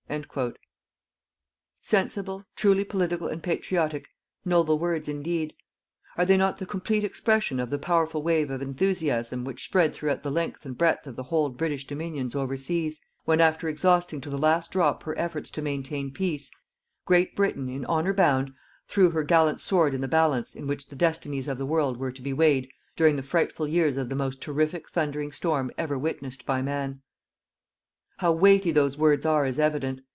_" Sensible, truly political and patriotic, noble words, indeed. Are they not the complete expression of the powerful wave of enthusiasm which spread throughout the length and breadth of the whole British Dominions overseas, when, after exhausting to the last drop her efforts to maintain peace, Great Britain, in honour bound, threw her gallant sword in the balance in which the destinies of the world were to be weighed during the frightful years of the most terrific thundering storm ever witnessed by man? How weighty those words are is evident.